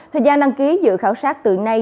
thời gian đăng ký dự khảo sát từ nay